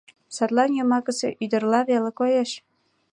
Садлан йомакысе ӱдырла веле коеш.